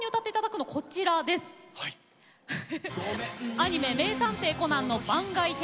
アニメ「名探偵コナン」の番外編